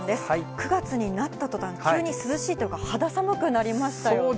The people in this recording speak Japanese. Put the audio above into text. ９月になったとたん、急に涼しいというか、肌寒くなりましたよね。